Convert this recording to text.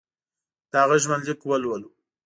د هغه ژوندلیک ولولو.